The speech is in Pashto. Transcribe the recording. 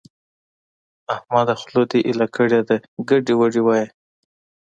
احمده! خوله دې ايله کړې ده؛ ګډې وډې وايې.